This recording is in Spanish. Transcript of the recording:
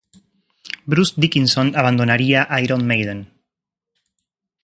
Bruce Dickinson abandonaría Iron Maiden.